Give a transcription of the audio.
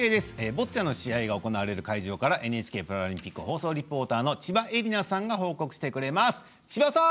ボッチャの試合が行われる会場からＮＨＫパラリンピック放送リポーターの千葉絵里菜さんが報告してくれます、千葉さん！